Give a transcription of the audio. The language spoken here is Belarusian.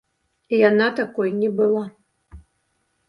Яна такой не была.